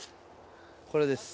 これです。